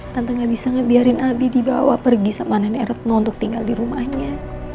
tante gak bisa ngebiarin abi dibawa pergi sama nenek retno untuk tinggal di rumahnya